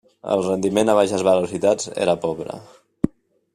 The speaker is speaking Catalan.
El rendiment a baixes velocitats era pobre.